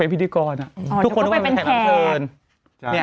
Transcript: เป็นพิธีกรทุกคนก็เป็นแขกทุกคนก็เป็นแขก